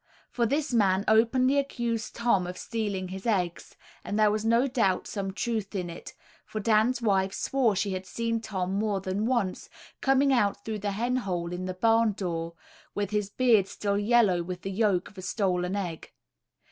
For this man openly accused Tom of stealing his eggs; and there was no doubt some truth in it, for Dan's wife swore she had seen Tom more than once, coming out through the hen hole in the barn door, with his beard still yellow with the yolk of a stolen egg.